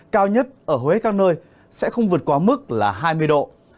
cao nhất ở huế các nơi sẽ không vượt qua mức là hai mươi độ